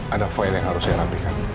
ada file yang harus saya rapikan